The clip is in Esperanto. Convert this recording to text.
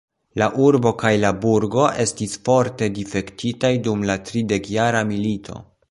La urbo kaj la burgo estis forte difektitaj dum la tridekjara milito.